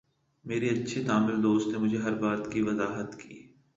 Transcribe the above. میرے اچھے تامل دوست نے مجھے ہر بات کی وضاحت کی